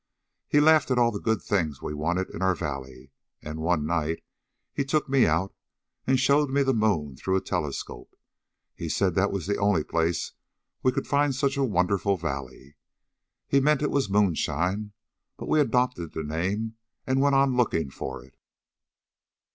He laughed at all the good things we wanted in our valley, and one night he took me out and showed me the moon through a telescope. He said that was the only place we could find such a wonderful valley. He meant it was moonshine, but we adopted the name and went on looking for it."